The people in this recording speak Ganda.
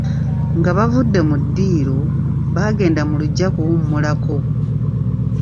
Nga bavudde mu ddiiro, baagenda mu luggya kuwummulako.